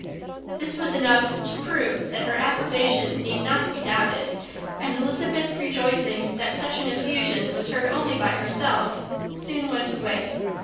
This was enough to prove that her approbation need not be doubted; and Elizabeth, rejoicing that such an effusion was heard only by herself, soon went away.